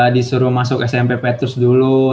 disuruh masuk smp petus dulu